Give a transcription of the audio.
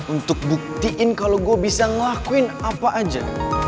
untuk buktiin kalau gue bisa ngelakuin apa aja